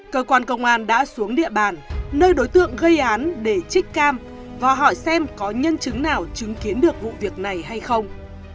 cơ quan công an đã xuống địa bàn nơi đối tượng gây án để trích cam và hỏi xem có nhân chứng nào chứng kiến được vụ việc này hay không